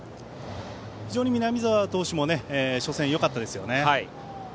非常に南澤投手も初戦、よかったですよね。